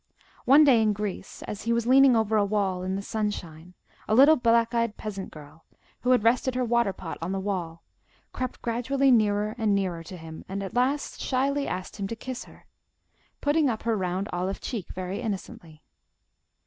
One day in Greece, as he was leaning over a wall in the sunshine, a little black eyed peasant girl, who had rested her water pot on the wall, crept gradually nearer and nearer to him, and at last shyly asked him to kiss her, putting up her round olive cheek very innocently.